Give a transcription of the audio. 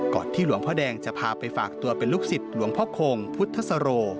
ก่อนที่หลวงพระแดงจะพาไปฝากตัวเป็นลูกสิทธิ์หลวงพระโคงพุทธสโร